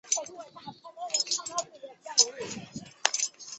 叶头风毛菊为菊科风毛菊属的植物。